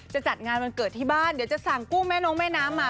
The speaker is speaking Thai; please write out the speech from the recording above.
จัดงานวันเกิดที่บ้านเดี๋ยวจะสั่งกู้แม่น้องแม่น้ำมา